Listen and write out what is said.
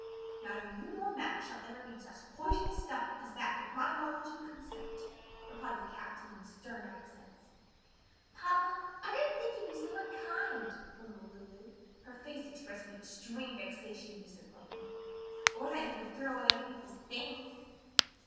"Neither you nor Max shall ever read such poisonous stuff as that with my knowledge and consent," replied the captain in stern accents. "Papa, I didn't think you'd be so unkind," grumbled Lulu, her face expressing extreme vexation and disappointment, "or that you would throw away other people's things."